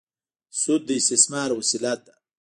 سود د استثمار وسیله ده.